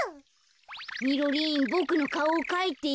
みろりんボクのかおをかいて。